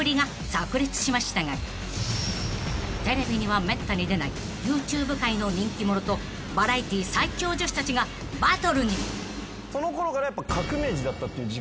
［テレビにはめったに出ないＹｏｕＴｕｂｅ界の人気者とバラエティ最強女子たちがバトルに！］